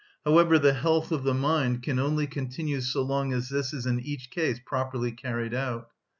However, the health of the mind can only continue so long as this is in each case properly carried out.